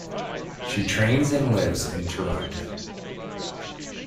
She trains and lives in Toronto.